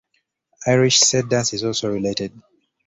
Irish set dance is also related.